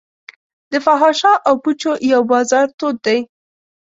د فحاشا او پوچو یو بازار تود دی.